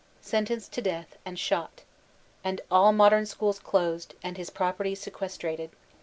Sentenced to death and shot And all Modem Schools closed, and his property se questrated.